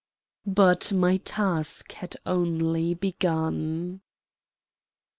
But my task had only begun.